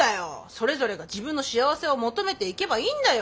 それぞれが自分の幸せを求めていけばいいんだよ。